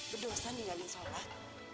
berdua sana ingat sholat